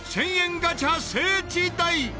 ガチャ聖地台。